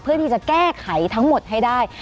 เพื่อที่จะแก้ไขทั้งหมดให้ได้